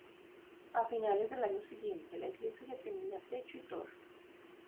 A finales del año siguiente la iglesia ya tenía techo y torre.